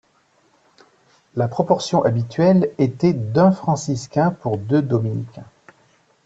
La proportion habituelle était d'un franciscain pour deux dominicains.